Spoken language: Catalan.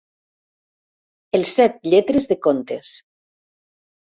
El set lletres de contes.